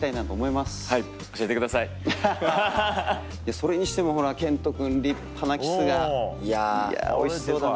それにしてもほら賢人君立派なキスがいやおいしそうだな。